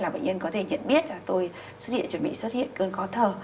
là bệnh nhân có thể nhận biết là tôi chuẩn bị xuất hiện cơn có thở